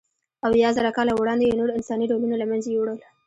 اویازره کاله وړاندې یې نور انساني ډولونه له منځه یووړل.